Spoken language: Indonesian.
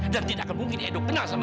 dan tidak mungkin edo kena sama riri ma